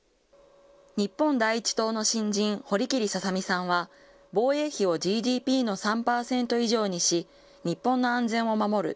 日本第一党の新人、堀切笹美さんは防衛費をＧＤＰの３％以上にし、日本の安全を守る。